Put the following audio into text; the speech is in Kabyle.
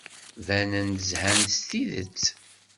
Banen-d zhan s tidet.